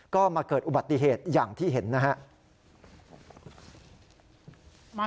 ก็มาเกิดอุบัติเหตุอย่างที่เห็นนะครับ